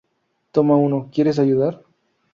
Toma uno ¿Quieres ayudar?